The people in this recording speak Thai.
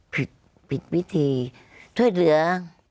ผิดวิธีช่วยเหลือ